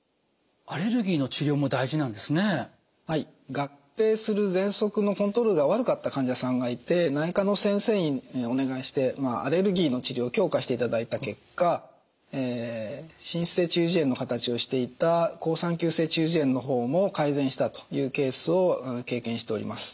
合併するぜんそくのコントロールが悪かった患者さんがいて内科の先生にお願いしてアレルギーの治療を強化していただいた結果滲出性中耳炎の形をしていた好酸球性中耳炎の方も改善したというケースを経験しております。